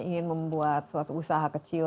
ingin membuat suatu usaha kecil